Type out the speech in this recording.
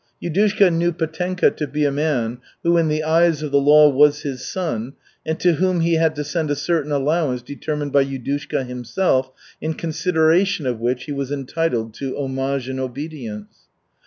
Yudushka knew Petenka to be a man who in the eyes of the law was his son and to whom he had to send a certain allowance determined by Yudushka himself, in consideration of which he was entitled to homage and obedience.